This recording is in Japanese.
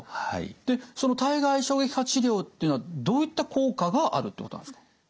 その体外衝撃波治療っていうのはどういった効果があるってことなんですか？